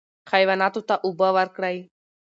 حیواناتو ته اوبه ورکړئ.